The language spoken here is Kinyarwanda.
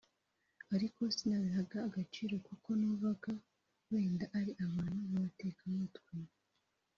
ariko sinabihaga agaciro kuko numvaga wenda ari abantu b’abatekamutwe »